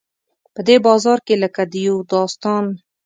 په دې بازار کې لکه د یو داستان.